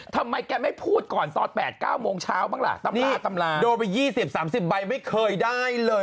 ทำไมแกไม่พูดก่อนตอน๘๙โมงเช้าบ้างล่ะตำราตำราโดนไป๒๐๓๐ใบไม่เคยได้เลย